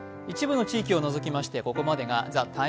一部の地域を除きまして、ここまでが「ＴＩＭＥ’」。